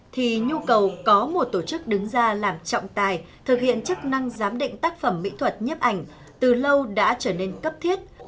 thì nhu cầu có một tổ chức đứng ra làm trọng tài thực hiện chức năng giám định tác phẩm mỹ thuật nhấp ảnh từ lâu đã trở nên cấp thiết